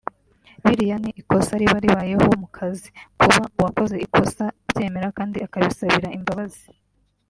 “Biriya ni ikosa riba ribayeho mu kazi… kuba uwakoze ikosa abyemera kandi akaba abisabira imbabazi